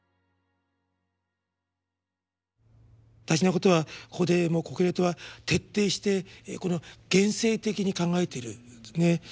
大事なことはここでもコヘレトは徹底してこの現世的に考えているんですね。